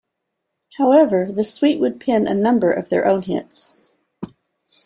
However, the Sweet would pen a number of their own hits.